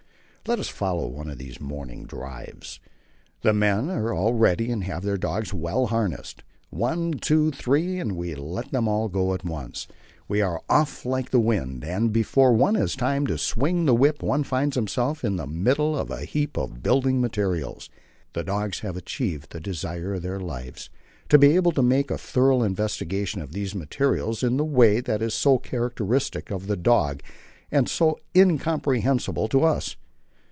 Let us follow one of these morning drives. The men are all ready and have their dogs well harnessed. One, two, three, and we let them all go at once. We are off like the wind, and before one has time to swing the whip one finds oneself in the middle of a heap of building materials. The dogs have achieved the desire of their lives to be able to make a thorough investigation of these materials in the way that is so characteristic of the dog and so incomprehensible to us.